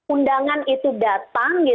undangan itu datang